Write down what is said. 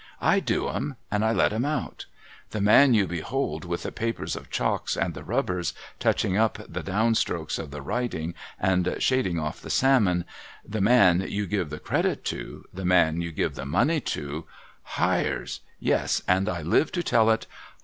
I do 'em, and I let 'em out. The man you behold with the jiapers of chalks and the rubbers, touching up the down strokes of the writing and shading off the salmon, the man you give the credit to, the man you give the money to, hires — yes ! and I live to tell it